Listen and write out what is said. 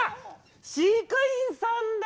飼育員さんだ